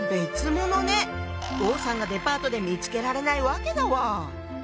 王さんがデパートで見つけられないわけだわ。